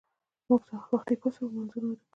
موږ سهار وختي پاڅو او لمونځ ادا کوو